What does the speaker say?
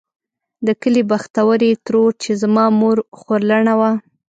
د کلي بختورې ترور چې زما مور خورلڼه وه.